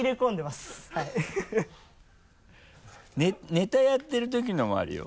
ネタやってるときのもあるよ。